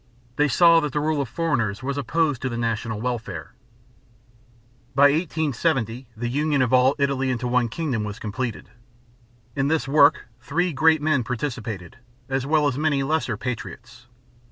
They saw that the rule of foreigners was opposed to the national welfare. By 1870 the union of all Italy into one kingdom was completed. In this work three great men participated, as well as many lesser patriots.